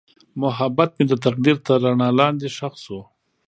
محبت مې د تقدیر تر رڼا لاندې ښخ شو.